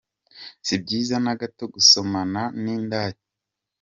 Si byiza na gato gusomana n’indaya.